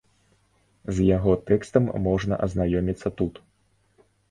З яго тэкстам можна азнаёміцца тут.